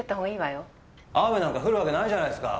雨なんか降るわけないじゃないですか。